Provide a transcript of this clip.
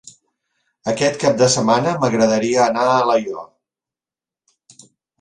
Aquest cap de setmana m'agradaria anar a Alaior.